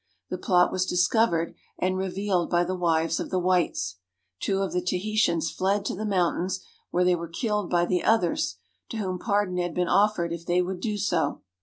The plot was discovered and revealed by the wives of the whites. Two of the Tahi tans fled to the mountains, where they were killed by the others, to whom pardon had been offered if they would do so.